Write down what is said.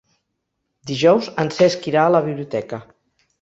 Dijous en Cesc irà a la biblioteca.